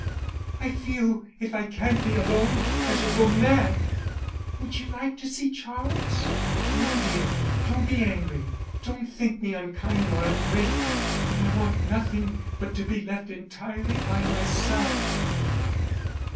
"I feel if I can't be alone, I shall go mad." "Would you like to see Charles?" "No, dear. Don't be angry. Don't think me unkind or ungrateful, but I want nothing but to be left entirely by myself."